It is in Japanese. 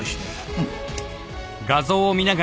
うん。